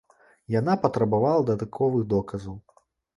Яна патрабавала дадатковых доказаў.